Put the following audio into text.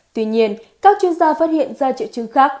tuy nhiên các chuyên gia phát hiện ra triệu chứng khác